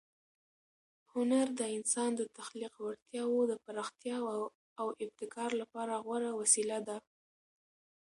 هنر د انسان د تخلیق وړتیاوو د پراختیا او ابتکار لپاره غوره وسیله ده.